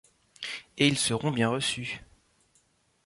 Et ils seront bien reçus!